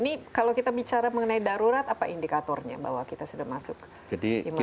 ini kalau kita bicara mengenai darurat apa indikatornya bahwa kita sudah masuk imunity